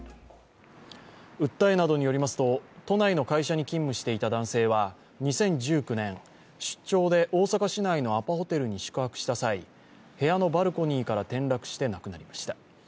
訴えなどによりますと、都内の会社に勤務していた男性は２０１９年、出張で大阪市内のアパホテルに宿泊した際、部屋のバルコニーから転落して亡くなりました。